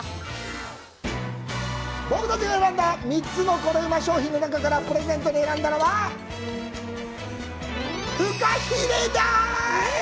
僕たちが選んだ３つのコレうま商品の中からプレゼントに選んだのはフカヒレです！